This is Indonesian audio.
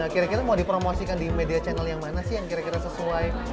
kira kira mau dipromosikan di media channel yang mana sih yang kira kira sesuai